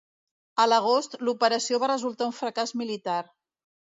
A l'agost, l'operació va resultar un fracàs militar.